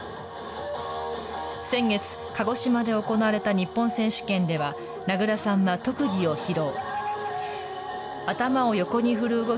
先月、鹿児島で行われた日本選手権では、名倉さんは特技を披露。